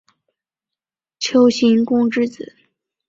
丘行恭之子。